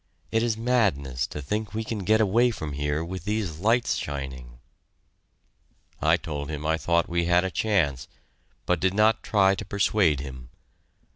It is madness to think we can get away from here with these lights shining." I told him I thought we had a chance, but did not try to persuade him.